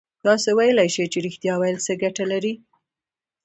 تاسو ویلای شئ چې رښتيا ويل څه گټه لري؟